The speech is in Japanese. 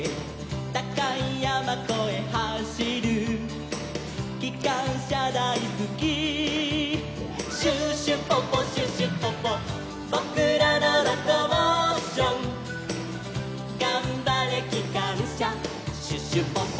「たかいやまこえはしる」「きかんしゃだいすき」「シュシュポポシュシュポポ」「ぼくらのロコモーション」「がんばれきかんしゃシュシュポポ」